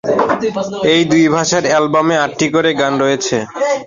এই দুই ভাষার অ্যালবামে আটটি করে গান রয়েছে।